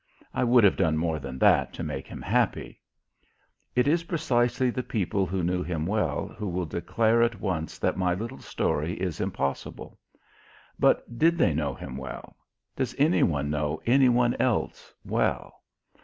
I would have done more than that to make him happy. It is precisely the people who knew him well who will declare at once that my little story is impossible. But did they know him well? Does any one know any one else well?